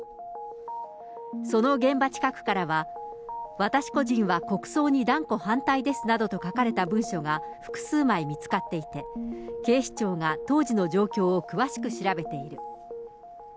その現場近くからは、私個人は国葬に断固反対ですなどと書かれた文書が複数枚見つかっていて、警視庁が当時の状況を詳しく調べている。